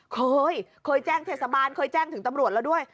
เคยเคยแจ้งเทศบาลเคยแจ้งถึงตำรวจแล้วด้วย